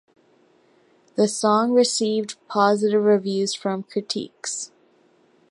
The song received positive reviews from critics.